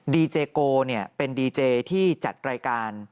ดีเจโกเป็นดีเจที่จัดรายการ